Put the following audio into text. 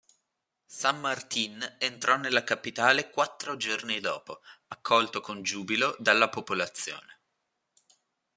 San Martín entrò nella capitale quattro giorni dopo, accolto con giubilo dalla popolazione.